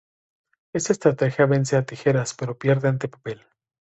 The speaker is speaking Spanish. Esta estrategia vence a "tijeras" pero pierde ante "papel".